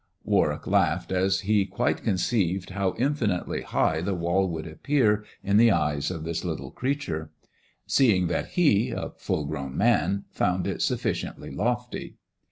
Warwick laughed, as he quite conceived how inf high the wall would appear in the eyes of this creature ; seeing that he, a full grown man, found i1 ciently lofty.